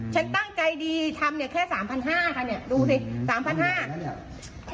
ฉันตั้งใจดีทำแค่๓๕๐๐บาทดูสิ๓๕๐๐บาท